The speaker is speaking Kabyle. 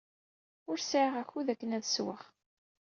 Ur sɛiɣ akud akken ad ssewweɣ.